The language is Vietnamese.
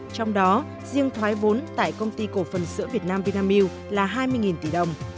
trong đó riêng thoái vốn tại công ty cổ phần sữa việt nam vinamilk là hai mươi tỷ đồng